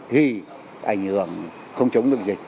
thì ảnh hưởng không chống được dịch